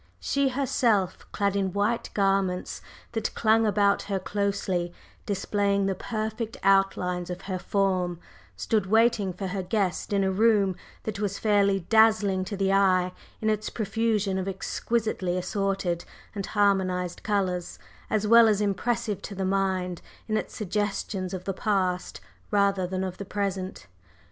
She herself, clad in white garments that clung about her closely, displaying the perfect outlines of her form, stood waiting for her guest in a room that was fairly dazzling to the eye in its profusion of exquisitely assorted and harmonized colors, as well as impressive to the mind in its suggestions of the past rather than of the present.